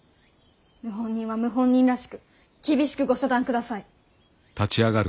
謀反人は謀反人らしく厳しくご処断ください。